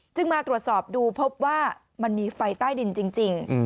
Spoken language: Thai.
มาตรวจสอบดูพบว่ามันมีไฟใต้ดินจริง